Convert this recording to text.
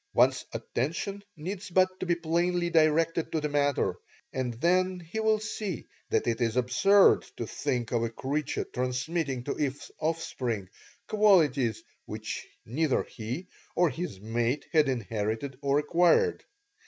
One's attention needs but to be plainly directed to the matter, and then he will see that it is absurd to think of a creature transmitting to his offspring qualities which neither he or his mate had inherited or acquired.